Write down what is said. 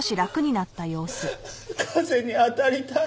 風に当たりたい。